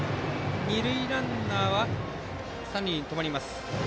二塁ランナーは三塁で止まります。